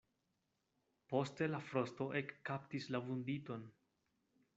Poste la frosto ekkaptis la vunditon.